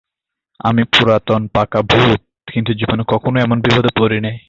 আমি পুরাতন পাকা ভূত, কিন্তু জীবনে কখনও এমন বিপদে পড়ি নাই।